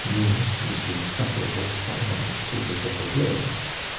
meanest, most insufferable spot on the surface of the globe.